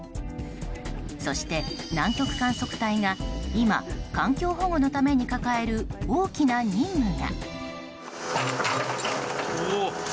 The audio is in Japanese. そして、南極観測隊が今環境保護のために抱える大きな任務が。